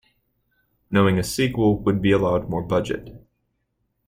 Knowing a sequel, would be allowed more budget.